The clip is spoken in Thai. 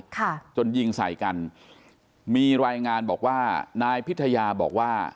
ค่ะจนยิงใส่กันมีรายงานบอกว่านายพิทยาบอกว่า